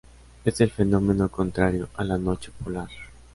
Es el fenómeno contrario a la noche polar.